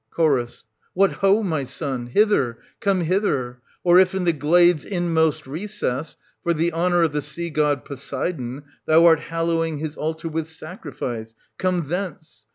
1490 Ch. What ho, my son, hither, come hither! Or \i ant.2. in the glade's inmost recess, for the honour of the sea god Poseidon, thou art hallowing his altar with sacrifice, — come thence